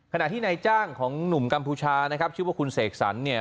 ขณะที่นายจ้างของหนุ่มกัมพูชานะครับชื่อว่าคุณเสกสรรเนี่ย